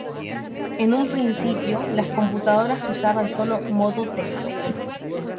En un principio, las computadoras usaban solo modo texto.